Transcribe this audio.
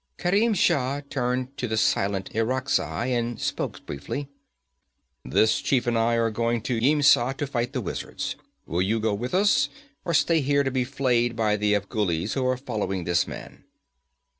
Kerim Shah turned to the silent Irakzai and spoke briefly: 'This chief and I are going to Yimsha to fight the wizards. Will you go with us, or stay here to be flayed by the Afghulis who are following this man?'